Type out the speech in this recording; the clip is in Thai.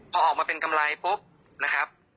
พอออกมาเป็นกำไรปุ๊บนะครับ